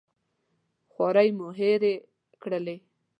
خوارۍ مو هېرې کړلې.